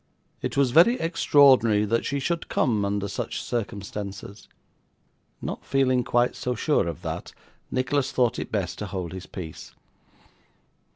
It was very extraordinary that she should come, under such circumstances.' Not feeling quite so sure of that, Nicholas thought it best to hold his peace.